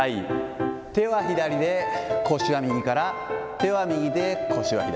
手は左で腰は右から、手は右で腰は左。